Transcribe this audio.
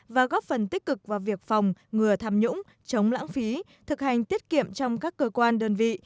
và góp phần tích cực vào việc phòng ngừa tham nhũng chống lãng phí thực hành tiết kiệm trong các cơ quan đơn vị